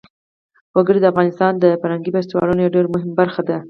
وګړي د افغانستان د فرهنګي فستیوالونو یوه ډېره مهمه برخه ده.